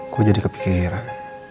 gue jadi kepikiran